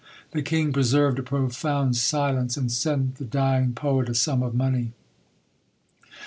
The king preserved a profound silence; and sent the dying poet a sum of money.